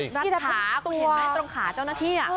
รัดขาตรงขาเจ้าหน้าที่